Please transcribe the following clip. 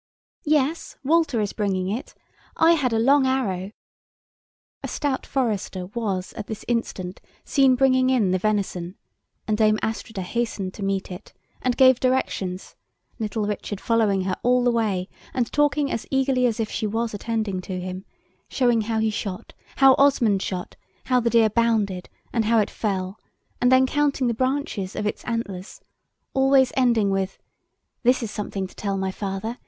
"Yes, Walter is bringing it. I had a long arrow " [Picture: Richard with Dame Estrida] A stout forester was at this instant seen bringing in the venison, and Dame Astrida hastened to meet it, and gave directions, little Richard following her all the way, and talking as eagerly as if she was attending to him, showing how he shot, how Osmond shot, how the deer bounded, and how it fell, and then counting the branches of its antlers, always ending with, "This is something to tell my father.